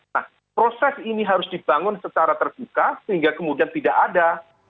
nah proses ini harus dibangun secara terbuka sehingga kemudian tidak ada